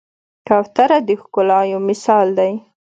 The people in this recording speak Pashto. کوتره د ښکلا یو مثال دی.